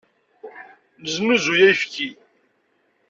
Neznuzay ayefki.